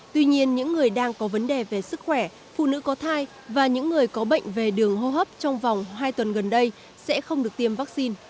tuy nhiên những người đang có vấn đề về sức khỏe phụ nữ có thai và những người có bệnh về đường hô hấp trong vòng hai tuần gần đây sẽ không được tiêm vaccine